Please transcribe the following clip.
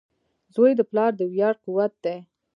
• زوی د پلار د ویاړ قوت وي.